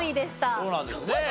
そうなんですね。